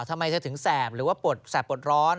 ทำไมจะถึงแสบหรือว่าแสบปลดร้อน